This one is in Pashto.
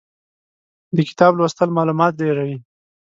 د کتاب لوستل مالومات ډېروي.